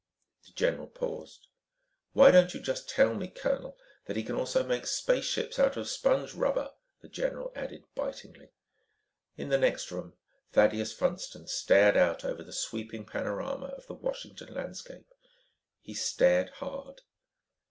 The general paused. "Why don't you just tell me, colonel, that he can also make spaceships out of sponge rubber?" the general added bitingly. In the next room, Thaddeus Funston stared out over the sweeping panorama of the Washington landscape. He stared hard.